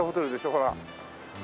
ほら。